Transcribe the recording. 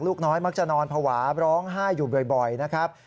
ลูกน้อยมักจะนอนภาวะร้องไห้อยู่บ่อยนะครับ